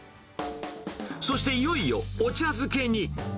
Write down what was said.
そしていよいよ、お茶漬けに。